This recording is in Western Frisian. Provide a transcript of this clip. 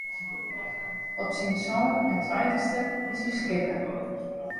Op syn sân en tweintichste is hy skipper.